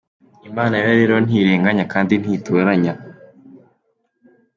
Imana yo rero ntirenganya kandi ntitoranya.